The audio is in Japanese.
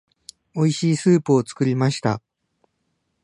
美味しいスープを作りました。